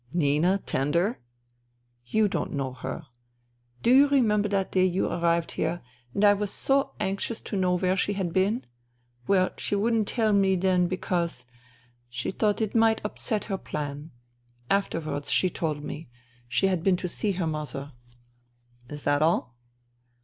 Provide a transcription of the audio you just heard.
" Nina tender ?"" You don't know her. Do you remember that INTERVENING IN SIBERIA 177 day you arrived here, and I was so anxious to know where she had been ? Well, she wouldn't tell me then because ... she thought it might upset her plan. Afterwards she told me. She had been to s^e her mother." " Is that all